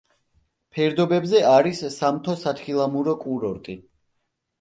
ფერდობებზე არის სამთო-სათხილამურო კურორტი.